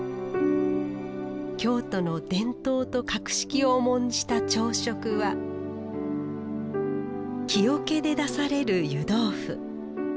京都の伝統と格式を重んじた朝食は木おけで出される湯豆腐。